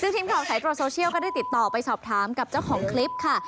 ซึ่งทีมข่าวสายตรวจโซเชียลก็ได้ติดต่อไปสอบถามกับเจ้าของคลิปค่ะ